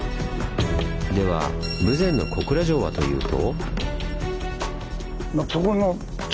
では豊前の小倉城はというと。